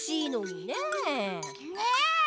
ねえ。